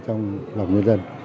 trong lòng nhân dân